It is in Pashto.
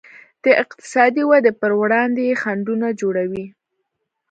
د اقتصادي ودې پر وړاندې یې خنډونه جوړوي.